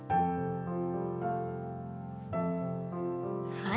はい。